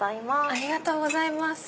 ありがとうございます。